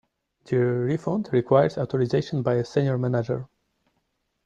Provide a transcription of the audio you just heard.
The refund requires authorization by a senior manager.